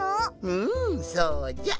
うんそうじゃ。